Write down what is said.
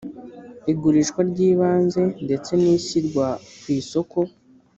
igurishwa ry ibanze ndetse n ishyirwa ku isoko